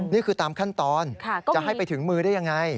นี่คือตามขั้นตอนจะให้ไปถึงมือได้ยังไง